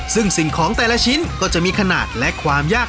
ซึ่งสิ่งของแต่ละชิ้นก็จะมีขนาดและความยาก